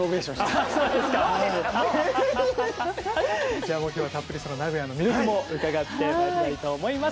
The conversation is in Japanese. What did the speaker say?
じゃあもう今日はたっぷりその名古屋の魅力も伺ってまいりたいと思います。